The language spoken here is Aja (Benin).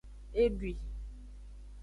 E dwui.